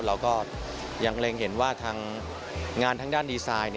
เราก็ยังเล็งเห็นว่าทางงานทางด้านดีไซน์